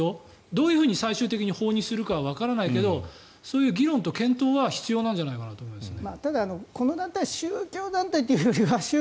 どういうふうに最終的に法にするかはわからないけどそういう議論と検討は必要なんじゃないかと思います。